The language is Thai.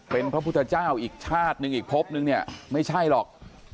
เป็นพระพุทธเจ้าอีกชาติหนึ่งอีกพบนึงเนี่ยไม่ใช่หรอก